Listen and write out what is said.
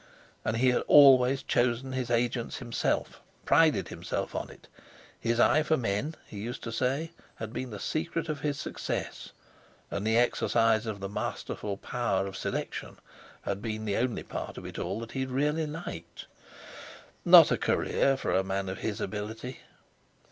And he had always chosen his agents himself, prided himself on it. His eye for men, he used to say, had been the secret of his success, and the exercise of this masterful power of selection had been the only part of it all that he had really liked. Not a career for a man of his ability.